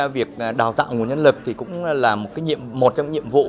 việc đào tạo nguồn nhân lực cũng là một trong những nhiệm vụ